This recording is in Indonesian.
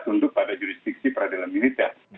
tunduk pada jurisdiksi peradilan militer